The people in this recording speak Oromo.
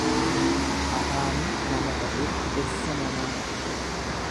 Afaanii nama ba'ee dhirsa namaa ta'a.